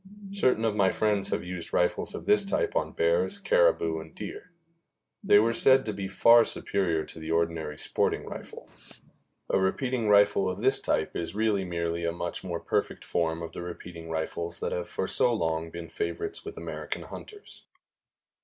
Certain of my friends have used rifles of this type on bears, caribou and deer; they were said to be far superior to the ordinary sporting rifle. A repeating rifle of this type is really merely a much more perfect form of the repeating rifles that have for so long been favorites with American hunters.